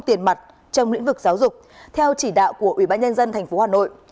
tiền mặt trong lĩnh vực giáo dục theo chỉ đạo của ubnd tp hà nội